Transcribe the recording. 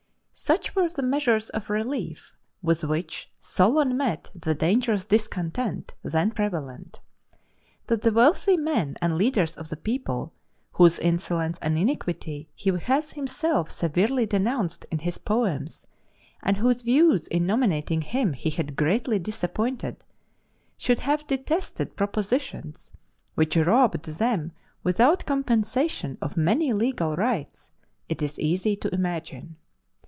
Such were the measures of relief with which Solon met the dangerous discontent then prevalent. That the wealthy men and leaders of the people whose insolence and iniquity he has himself severely denounced in his poems, and whose views in nominating him he had greatly disappointed should have detested propositions which robbed them without compensation of many legal rights, it is easy to imagine.